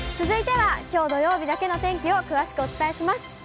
続いてはきょう土曜日だけの天気を詳しくお伝えします。